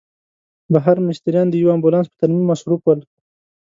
بهر مستریان د یوه امبولانس په ترمیم مصروف ول.